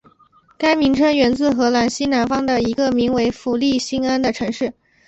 该名称源自荷兰西南方的一个名为弗利辛恩的城市。